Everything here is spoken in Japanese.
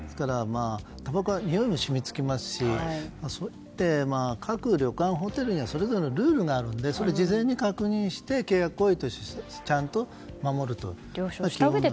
たばこはにおいも染みつきますし各旅館、ホテルにはそれぞれルールがあるので事前に確認して契約行為としてちゃんと守ると。